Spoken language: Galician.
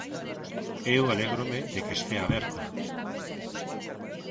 Eu alégrome de que estea aberta.